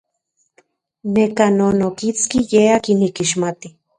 Neka non okiski ye akin nikixmati.